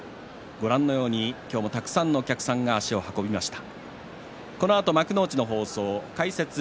ご覧のようにたくさんのお客さんが足を運びました。